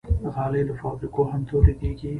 غالۍ له فابریکو هم تولیدېږي.